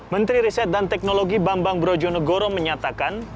menteri riset dan teknologi bambang brojonegoro menyatakan